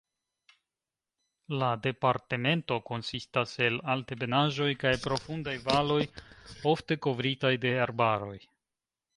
La departemento konsistas el altebenaĵoj kaj profundaj valoj ofte kovritaj de arbaroj.